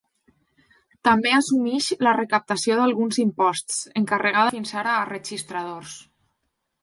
També assumeix la recaptació d’alguns imposts, encarregada fins ara a registradors.